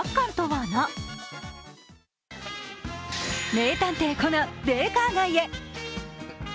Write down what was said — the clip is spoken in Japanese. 名探偵コナン、ベーカー街へ。